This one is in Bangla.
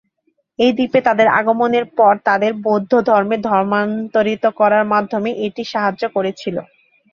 এই দ্বীপে তাদের আগমনের পর তাদের বৌদ্ধ ধর্মে ধর্মান্তরিত করার মাধ্যমে এটি সাহায্য করেছিল।